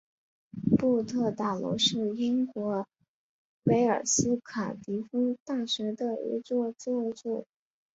布特大楼是英国威尔斯卡迪夫大学的一座建筑。